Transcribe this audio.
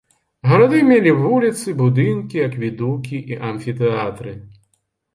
Гарады мелі вуліцы, будынкі, акведукі і амфітэатры.